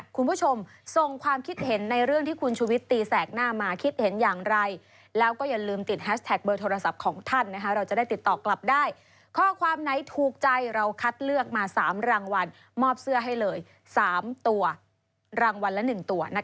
คุณผู้ชมส่งความคิดเห็นในเรื่องที่คุณชุวิตตีแสกหน้ามาคิดเห็นอย่างไรแล้วก็อย่าลืมติดแฮชแท็กเบอร์โทรศัพท์ของท่านเราจะได้ติดต่อกลับได้ข้อความไหนถูกใจเราคัดเลือกมา๓รางวัลมอบเสื้อให้เลย๓ตัวรางวัลละ๑ตัว